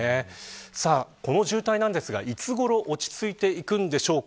この渋滞ですが、いつごろ落ち着いていくのでしょうか。